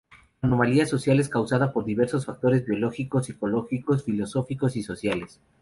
La Anomalía Social es causada por diversos factores biológicos, psicológicos, filosóficos y sociales..